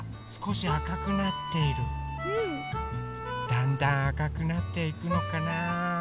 だんだんあかくなっていくのかな。